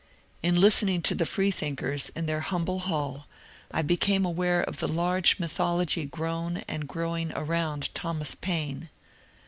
In listening to the freethink ers in their humble hall I became aware of the large mytho logy grown and growing around Thomas Paine.